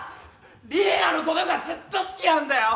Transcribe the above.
李里奈のことがずっと好きなんだよ！